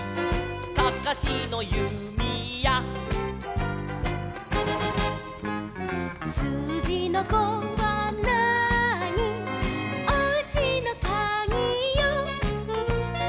「かかしのゆみや」「すうじの５はなーに」「おうちのかぎよ」